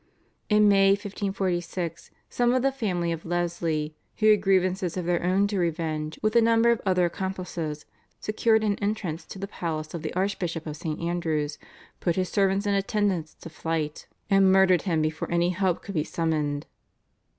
In May 1546 some of the family of Leslie, who had grievances of their own to revenge, with a number of other accomplices secured an entrance to the palace of the Archbishop of St. Andrew's, put his servants and attendants to flight, and murdered him before any help could be summoned.